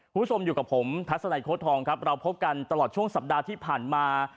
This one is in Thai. คุณผู้ชมอยู่กับผมทัศนัยโค้ดทองครับเราพบกันตลอดช่วงสัปดาห์ที่ผ่านมา